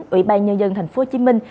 ủy ban nhân dân thành phố hồ chí minh